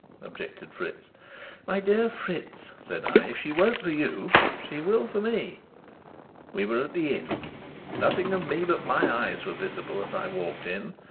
objected Fritz. "My dear Fritz," said I, "if she won't for you, she will for me." We were at the inn. Nothing of me but my eyes was visible as I walked in.